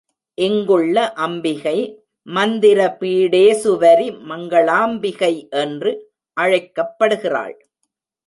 இங்குள்ள அம்பிகை மந்திர பீடேசுவரி மங்களாம்பிகை என்று அழைக்கப்படுகிறாள்.